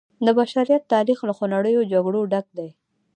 د بشریت تاریخ له خونړیو جګړو ډک دی.